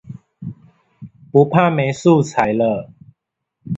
不怕沒素材了